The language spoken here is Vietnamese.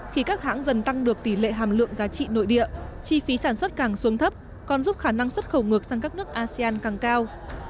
khi các hãng dần tăng được tỷ lệ hàm lượng giá trị nội địa chi phí sản xuất càng xuống thấp còn giúp khả năng xuất khẩu ngược sang các nước asean càng cao